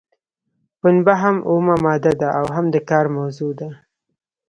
پنبه هم اومه ماده ده او هم د کار موضوع ده.